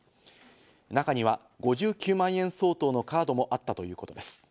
中には５９万円相当のカードもあったということです。